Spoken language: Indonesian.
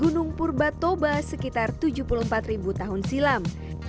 gunung purba toba sekitar tujuh puluh empat ribu tahun silam